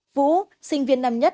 vũ sinh viên năm nhất